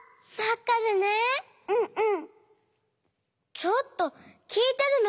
ちょっときいてるの？